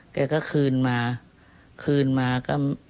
แกก็คืนมาคืนมาก็